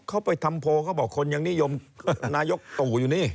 เขาไปทำโพลเขาบอกคนยังนิยมนายกตู่อยู่นี่